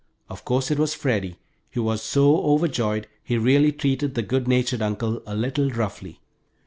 Of course it was Freddie, who was so overjoyed he really treated the good natured uncle a little roughly.